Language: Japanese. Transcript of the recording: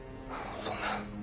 そんな。